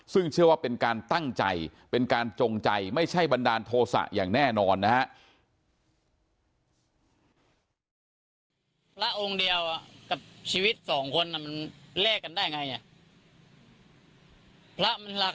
ซึ่งเชื่อว่าเป็นการตั้งใจเป็นการจงใจไม่ใช่บันดาลโทษะอย่างแน่นอนนะฮะ